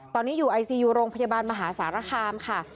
ตอนนี้อยู่ไอซียูโรงพยาบาลมหาสารคามค่ะ